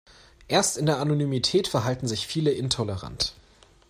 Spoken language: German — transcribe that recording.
Erst in der Anonymität verhalten sich viele intolerant.